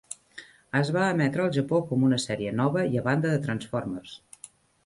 Es va emetre al Japó com una sèrie nova i a banda de "Transformers".